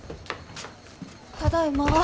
ただいま。